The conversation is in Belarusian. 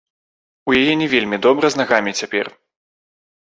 У яе не вельмі добра з нагамі цяпер.